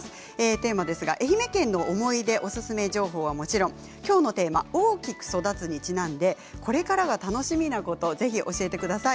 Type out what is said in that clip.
テーマは、愛媛県の思い出おすすめ情報はもちろんきょうのテーマ大きく育つにちなんでこれからが楽しみなことをぜひ教えてください。